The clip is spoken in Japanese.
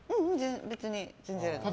別に全然。